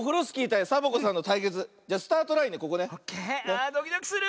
ああドキドキする！